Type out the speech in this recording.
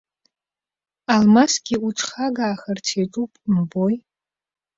Алмасгьы уҿхагаахарц иаҿуп, умбои!